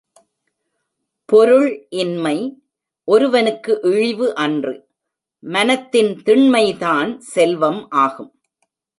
பொருள் இன்மை ஒருவனுக்கு இழிவு அன்று மனத்தின் திண்மைதான் செல்வம் ஆகும்.